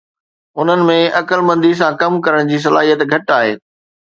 انهن ۾ عقلمندي سان ڪم ڪرڻ جي صلاحيت گهٽ آهي